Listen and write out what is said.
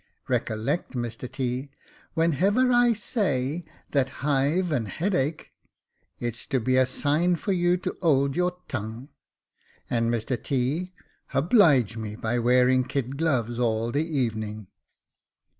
Recollect, Mr T., wheny^ever I say that ifi've an Va^ache, it's to be a sign for you to 'old your tongue ; and, Mr T., i^oblige me by wearing kid gloves all the evening."